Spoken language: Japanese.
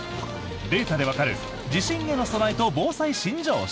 データでわかる地震への備えと防災新常識。